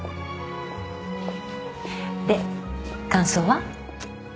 で感想は？